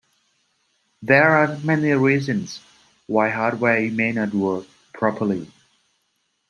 There are many reasons why hardware may not work properly.